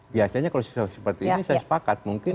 biasanya kalau seperti ini saya sepakat mungkin